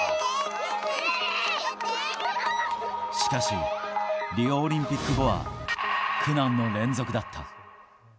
しかし、リオオリンピック後は苦難の連続だった。